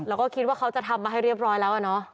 แล้วก็คิดว่าเขาจะทำมาให้เรียบร้อยแล้วอะเนาะ